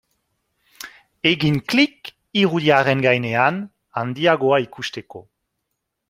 Egin klik irudiaren gainean handiagoa ikusteko.